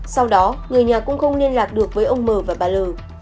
sau đó người nhà cũng không liên lạc được với ông m và bà l